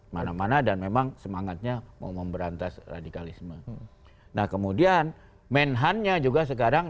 mana mana dan memang semangatnya mau memberantas radikalisme nah kemudian menhan nya juga sekarang